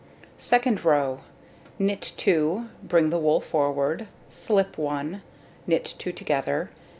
Second row: Knit 2, bring the wool forward, slip 1, knit 2 together.